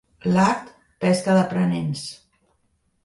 L'art, pesca d'aprenents.